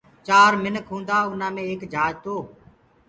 چآر منک هوندآ انآ مي ايڪ جھاج تو